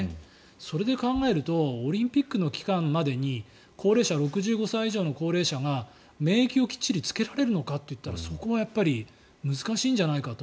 それで考えるとオリンピックの期間までに６５歳以上の高齢者が、免疫をきっちりつけられるのかというとそこはやっぱり難しいんじゃないかと。